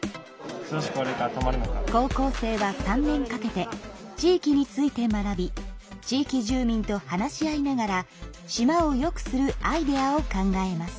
高校生は３年かけて地域について学び地域住民と話し合いながら島をよくするアイデアを考えます。